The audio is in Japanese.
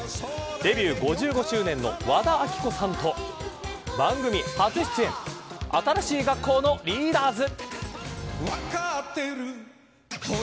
デビュー５５周年の和田アキ子さんと番組初出演新しい学校のリーダーズ。